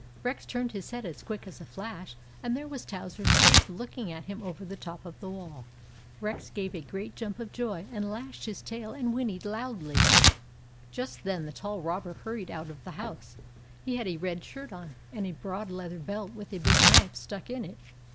Rex turned his head as quick as a flash, and there was Towser's face looking at him over the top of the wall. Rex gave a great jump of joy, and lashed his tail and whinnied loudly. 60 THE ADVENTURES OF MABEL Just then the tall robber hurried out of the house. He had a red shirt on, and a broad leather belt with a big knife stuck in it.